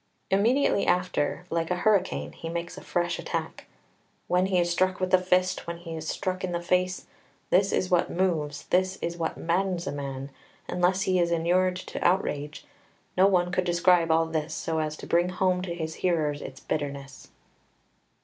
Immediately after like a hurricane he makes a fresh attack: "When he is struck with the fist, when he is struck in the face; this is what moves, this is what maddens a man, unless he is inured to outrage; no one could describe all this so as to bring home to his hearers its bitterness."